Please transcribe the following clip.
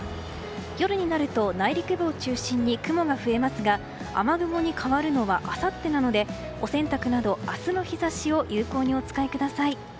夜になると内陸部を中心に雲が増えますが雨雲に変わるのはあさってなのでお洗濯など明日の日差しを有効にお使いください。